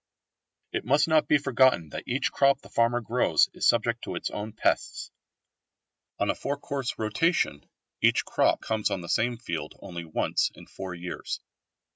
It must not be forgotten that each crop the farmer grows is subject to its own pests. On a four course rotation each crop comes on the same field only once in four years.